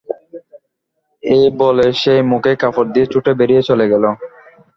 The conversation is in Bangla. এই বলে সে মুখে কাপড় দিয়ে ছুটে বেরিয়ে চলে গেল।